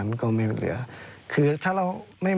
โรตัสเด็ดอุดมครับ